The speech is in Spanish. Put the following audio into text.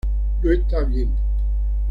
No está bien".